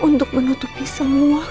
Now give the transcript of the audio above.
mungkin kamu akan menggant op